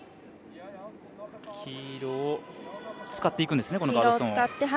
黄色を使っていくんですね。